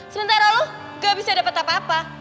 sementara lo gak bisa dapat apa apa